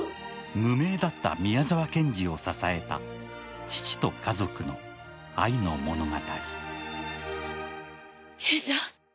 無名だった宮沢賢治を支えた父と家族の愛の物語。